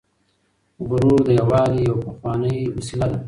غرور د یووالي یوه پخوانۍ وسیله وه.